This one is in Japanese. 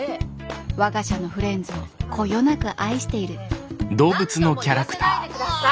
我が社のフレンズをこよなく愛している何度も言わせないで下さい。